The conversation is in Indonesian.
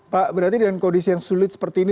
pak berarti dengan kondisi yang sulit seperti ini